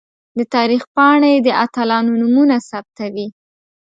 د تاریخ پاڼې د اتلانو نومونه ثبتوي.